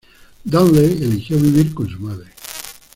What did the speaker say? Dudley eligió vivir con su madre.